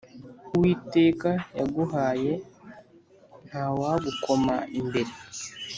Uwiteka yaguhaye ntawagukoma imbere